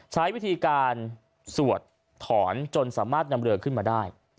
ใช้วิธีการสวดถอนจนสามารถนำเรือขึ้นมาได้